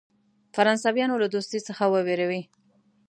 فرانسویانو له دوستی څخه وبېروي.